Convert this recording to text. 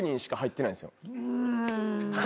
うん。